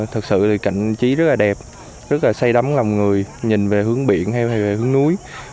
thực sự là cảnh trí rất là đẹp rất là say đắm lòng người nhìn về hướng biển hay về hướng núi